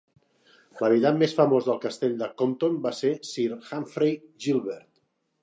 L'habitant més famós del castell de Compton va ser Sir Humphrey Gilbert.